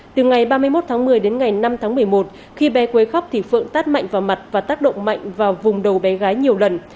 từ ngày ba mươi một tháng một mươi đến ngày năm tháng một mươi một khi bé quấy khóc thì phượng tát mạnh vào mặt và tác động mạnh vào vùng đầu bé gái nhiều lần